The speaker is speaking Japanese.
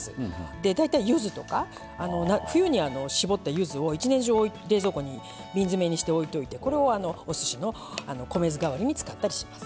で大体ゆずとか冬に搾ったゆずを一年中冷蔵庫に瓶詰めにして置いといてこれをおすしの米酢代わりに使ったりします。